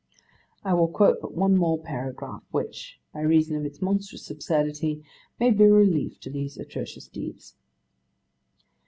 I will quote but one more paragraph, which, by reason of its monstrous absurdity, may be a relief to these atrocious deeds.